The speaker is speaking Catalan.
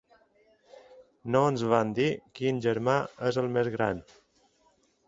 No ens van dir quin germà és el més gran.